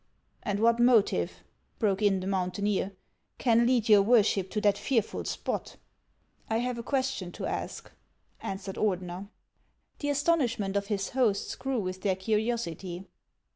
"And what motive," broke in the mountaineer, "can lead your worship to that fearful spot ?"" I have a question to ask," answered Ordener. The astonishment of his hosts grew with their curiosity.